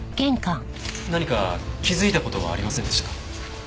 何か気づいた事はありませんでしたか？